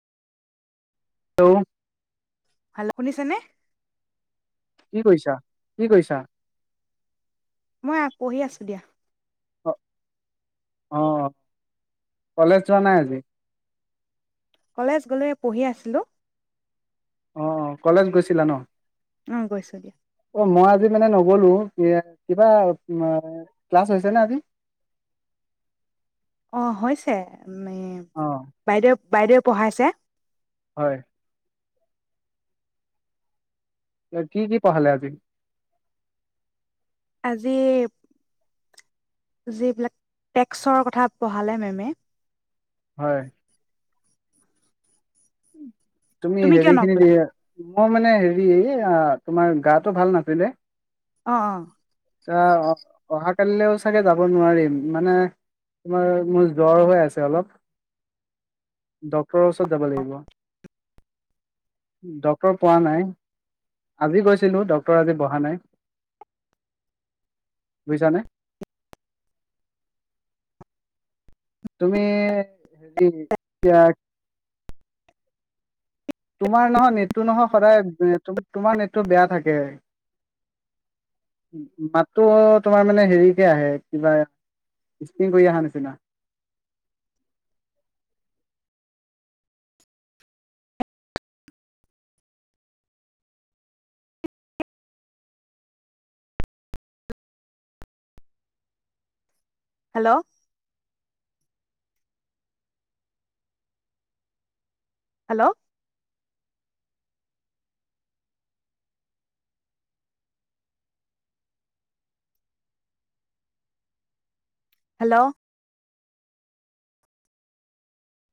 Hello hello, শুনিছে নে? কি কৈছা, কি কৈছা? মই আ পঢ়ি আছোঁ দিয়া। অ', অ‌', কলেজ যোৱা নাই আজি? কলেজ গ'লো, এই পঢ়ি আছিলোঁ। অ', অ', কলেজ গৈছিলা‌ ন? অ' গৈছো দিয়া। অ', ‌মই আজি মানে নগলোঁ। দিয়া, কিবা তোমাৰ, ক্লাছ হৈছে নে আজি? অ', হৈছে। [unintelligible] অ বাইদেউ বাইদেউ পঢ়াইছে। হয়। এ কি কি পাহালে আজি? আজি যিবিলাক টেক্সৰ কথা পঢ়ালে মেমে হয়। উম। তুমি কিয় হেৰি খিনি নগ'লা? দিয়া মই মানে হেৰি এয়া, তোমাৰ গাটো ভাল নাছিলে। অ, অ। টা, অহা-অহা কালিলেও চাগে যাব নোৱাৰিম, মানে তোমাৰ মোৰ জ্বৰ হৈ আছে অলপ, ডক্তৰৰ ওচৰত যাব লাগিব। ড্ক্তৰ পোৱা নাই আজি গৈছিলো, ডক্তট আজি বহা নাই বুজিছানে? তুমি হেৰি কিয়া তোমাৰ নহয় নেটটো নহয় সদায় নেত্ৰক, তোমাৰ নেটটো বেয়া থাকে, মাতটো তোমাৰ মানে হেৰিকে আহে, কিবা ষ্টিং কৰি আহা নিচিনা। Hello hello hello